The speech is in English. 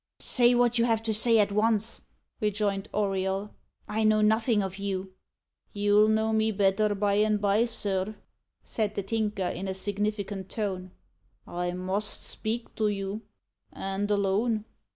"Say what you have to say at once," rejoined Auriol. "I know nothing of you." "You'll know me better by and by, sir," said the Tinker, in a significant tone. "I must speak to you, and alone."